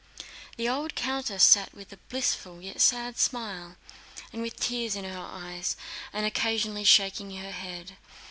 The old countess sat with a blissful yet sad smile and with tears in her eyes, occasionally shaking her head.